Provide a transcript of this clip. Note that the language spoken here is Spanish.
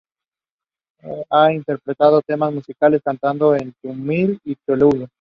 Ha interpretado temas musicales cantados en tamil y telugu.